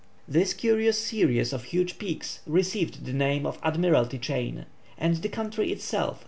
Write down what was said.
This curious series of huge peaks received the name of Admiralty chain, and the country itself that of Victoria.